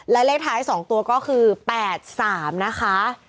และเลขท้าย๒ตัวก็คือ๘๓นะคะ